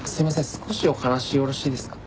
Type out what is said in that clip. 少しお話よろしいですか？